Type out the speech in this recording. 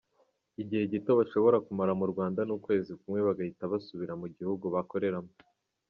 Igihe gito bashobora kumara mu Rwanda ni ukwezi kumwe bagahita basubira mu bihugu bakoreramo.